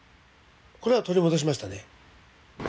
これは取り戻しましたね。